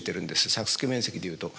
作付面積でいうと。